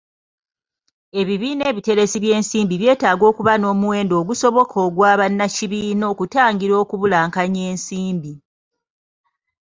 Ebibiina ebiteresi by'ensimbi byetaaga okuba n'omuwendo ogusoboka ogwa bannakibiina okutangira okubulankanya ensimbi.